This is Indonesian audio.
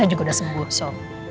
saya juga udah sembuh so